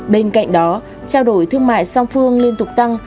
bên cạnh đó trao đổi thương mại song phương liên tục tăng